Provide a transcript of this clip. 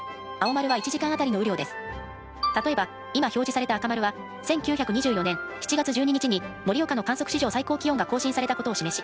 例えば今表示された赤丸は１９２４年７月１２日に盛岡の観測史上最高気温が更新されたことを示し